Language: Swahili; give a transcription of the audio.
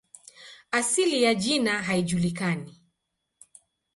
Asili ya jina haijulikani.